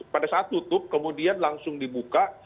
pada saat tutup kemudian langsung dibuka